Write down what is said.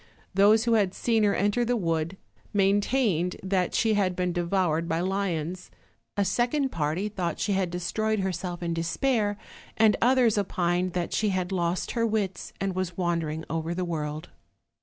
Those who had seen her enter the wood maintained that she had been devoured by lions; a second party thought she had destroyed herself in despair; and others opined that she had lost her wits, and was wandering over the world.